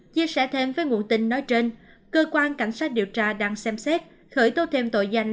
chia sẻ thêm với nguồn tin nói trên cơ quan cảnh sát điều tra đang xem xét khởi tố thêm tội danh